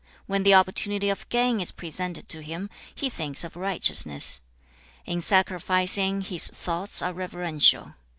When the opportunity of gain is presented to him, he thinks of righteousness. In sacrificing, his thoughts are reverential.